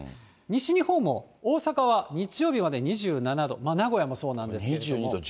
西日本も大阪は日曜日まで２７度、名古屋もそうなんですけれども。